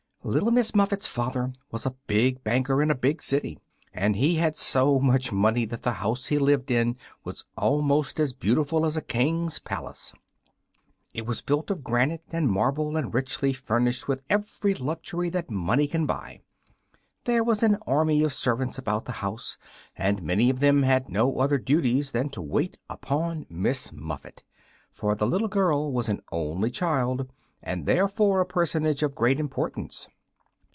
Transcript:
LITTLE MISS MUFFET'S father was a big banker in a big city, and he had so much money that the house he lived in was almost as beautiful as a king's palace. It was built of granite and marble, and richly furnished with every luxury that money can buy. There was an army of servants about the house, and many of them had no other duties than to wait upon Miss Muffet, for the little girl was an only child and therefore a personage of great importance.